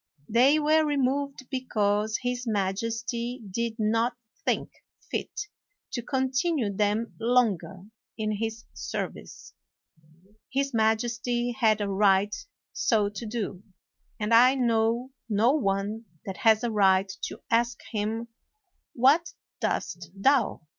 They were removed because his majesty did not think fit to continue them longer in his service. His majesty had a right so to do; and I know no one that has a right to ask him, "What doest thou?"